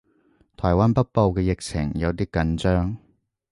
台灣北部嘅疫情有啲緊張